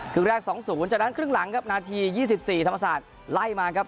ครึ่งแรกสองศูนย์จากนั้นครึ่งหลังครับนาทียี่สิบสี่ธรรมศาสตร์ไล่มาครับ